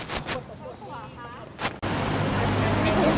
หลังจากแรกอาทิตย์ดำมริษัท